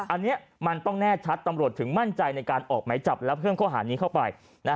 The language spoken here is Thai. อันนี้มันต้องแน่ชัดตำรวจถึงมั่นใจในการออกไหมจับและเพิ่มข้อหานี้เข้าไป